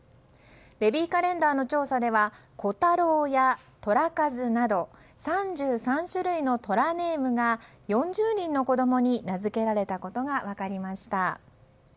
ベビーカレンダーの調査では虎太郎や虎和など３３種類の虎ネームが４０人の子供に名付けられたことが分かりました。